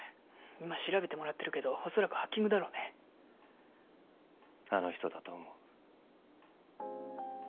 今調べてもらってるけど恐らくハッキングだろうねあの人だと思う